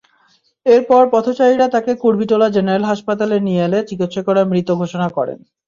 এরপর পথচারীরা তাঁকে কুর্মিটোলা জেনারেল হাসপাতালে নিয়ে এলে চিকিৎসকেরা মৃত ঘোষণা করেন।